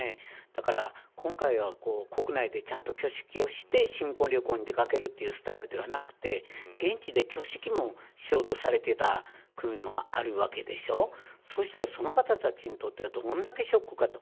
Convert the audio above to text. だから今回は国内でちゃんと挙式をして、新婚旅行に出掛けるスタイルではなくて現地で挙式もしようとされていた組もあるわけでしょうそうしたらその方たちにとってはどんだけショックかと。